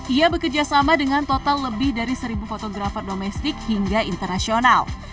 ia bekerjasama dengan total lebih dari seribu fotografer domestik hingga internasional